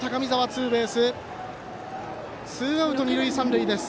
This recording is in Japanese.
ツーアウト、二塁三塁です。